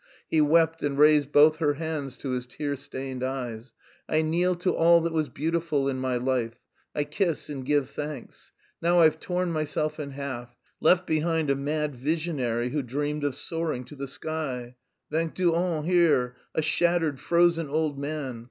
He wept and raised both her hands to his tear stained eyes. "I kneel to all that was beautiful in my life. I kiss and give thanks! Now I've torn myself in half; left behind a mad visionary who dreamed of soaring to the sky. Vingt deux ans, here. A shattered, frozen old man.